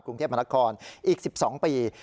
กรุงเทพมนครอีก๑๒ปี